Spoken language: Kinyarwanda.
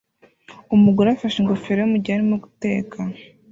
Umugore afashe ingofero ye mugihe arimo guteka